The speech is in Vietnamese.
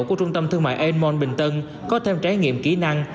của trung tâm thương mại aon mall bình tân có thêm trải nghiệm kỹ năng